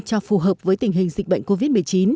cho phù hợp với tình hình dịch bệnh covid một mươi chín